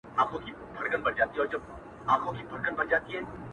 که وکړي دوام چيري زما په اند پایله به دا وي،